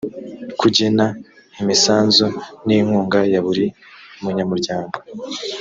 kugena imisanzu n’inkunga ya buri munyamuryango